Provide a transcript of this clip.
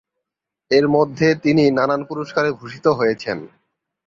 এর মধ্যে তিনি নানান পুরস্কারে ভূষিত হয়েছেন।